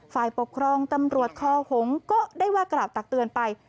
ฝ่ายปกครองตำรวจคอหงษ์ก็ได้ว่ากล่าวตักเตือนไป